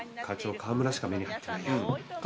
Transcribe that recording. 課長川村しか目に入ってないや。